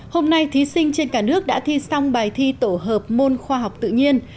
hôm nay thí sinh trên cả nước đã thi xong bài thi tổ hợp môn khoa học tự nhiên